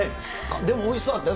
でもおいしそうだったよ。